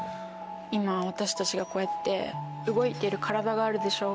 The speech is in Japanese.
「今私たちがこうやって動いてる体があるでしょ？」